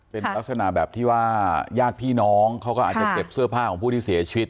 เป็นลักษณะแบบที่ว่าญาติพี่น้องเขาก็อาจจะเก็บเสื้อผ้าของผู้ที่เสียชีวิต